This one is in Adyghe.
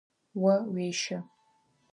О уещэ.